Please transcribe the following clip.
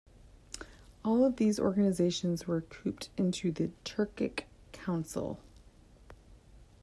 All of these organizations were coopted into the Turkic Council.